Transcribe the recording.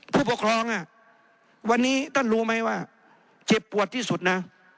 ผู้ปกครองวันนี้ท่านรู้ไหมว่าเจ็บปวดที่สุดนะ